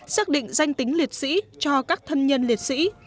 xác định danh tính liệt sĩ cho các thân nhân liệt sĩ